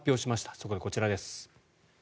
そこでこちらです。